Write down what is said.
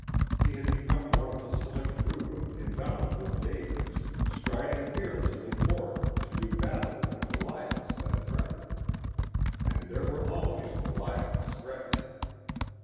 He had become one of the select group of indomitable Davids striding fearlessly forth to do battle with the Goliaths that threatened. And there were always Goliaths threatening.